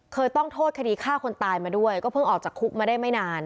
ต้องโทษคดีฆ่าคนตายมาด้วยก็เพิ่งออกจากคุกมาได้ไม่นาน